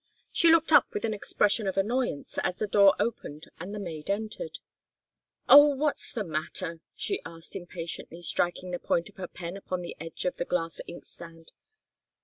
She looked up with an expression of annoyance as the door opened and the maid entered. "Oh what's the matter?" she asked, impatiently striking the point of her pen upon the edge of the glass inkstand.